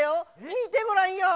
みてごらんよ。